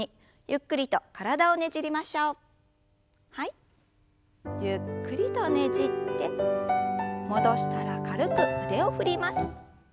ゆっくりとねじって戻したら軽く腕を振ります。